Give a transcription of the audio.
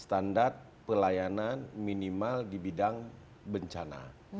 standar pelayanan minimal di bidang bencana